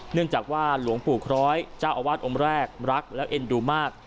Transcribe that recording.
เนื่องจากว่าหลวงปู่คร้อยเจ้าอาวาสองค์แรกรักแล้วเอ็นดูมาก